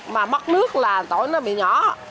mà mất nước là tỏi nó bị nhỏ